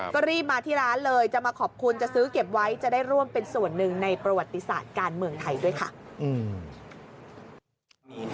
ก็รีบมาที่ร้านเลยจะมาขอบคุณจะซื้อเก็บไว้จะได้ร่วมเป็นส่วนหนึ่งในประวัติศาสตร์การเมืองไทยด้วยค่ะ